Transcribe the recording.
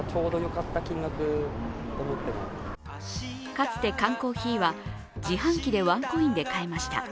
かつて缶コーヒーは自販機でワンコインで買えました。